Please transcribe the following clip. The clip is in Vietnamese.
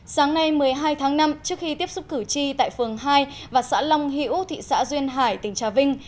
sáng nay một mươi hai tháng năm trước khi tiếp xúc cử tri tại phường hai và xã long hữu thị xã duyên hải tỉnh trà vinh